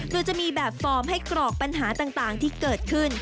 โดยจะมีแบบฟอร์มให้กรอกปัญหาต่างที่เกิดขึ้น